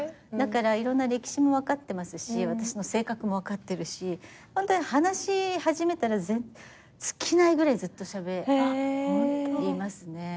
だからいろんな歴史も分かってますし私の性格も分かってるしホントに話し始めたら尽きないぐらいずっとしゃべりますね。